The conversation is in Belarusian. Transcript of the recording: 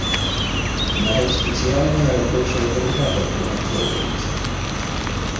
Нават спецыяльная рабочая брыгада прымацоўваецца.